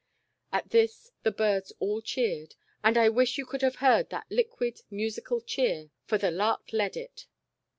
At this the birds all cheered, and I wish you could have heard that liquid, musical cheer, for the lark led it.